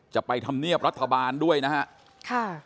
จะไปทำเนียบรัฐบาลด้วยนะครับ